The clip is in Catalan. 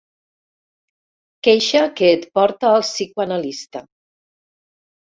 Queixa que et porta al psicoanalista.